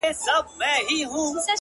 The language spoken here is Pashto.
ډېـــره شناخته مي په وجود كي ده؛